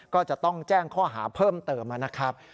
ก็จะต้องแจ้งข้อหาเพิ่มเติมนะครับ